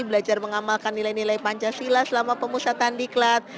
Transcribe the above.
belajar mengamalkan nilai nilai pancasila selama pemusatan di klat